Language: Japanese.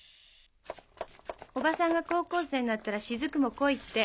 おばさんが高校生になったら雫も来いって。